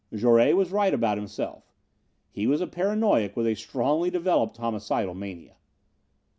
Jouret was right about himself. He was a paranoic with a strongly developed homicidal mania.